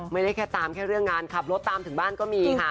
ไม่ได้แค่ตามแค่เรื่องงานขับรถตามถึงบ้านก็มีค่ะ